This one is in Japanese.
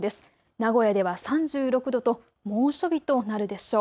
名古屋では３６度と猛暑日となるでしょう。